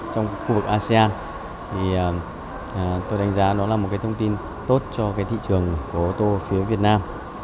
trong khu vực asean tôi đánh giá nó là một thông tin tốt cho thị trường của ô tô phía việt nam